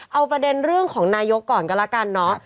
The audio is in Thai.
เอาประเด็นเรื่องของนายกก่อนก็แล้วกันเนาะ